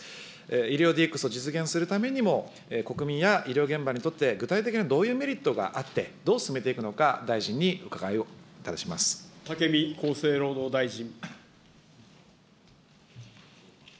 医療ＤＸを実現するためにも、国民や医療現場にとって、具体的などういうメリットがあって、どう進めていくのか、武見厚生労働大臣。